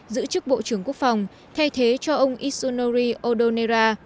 giữ chức bộ trưởng quốc phòng thay thế cho ông isunori odonera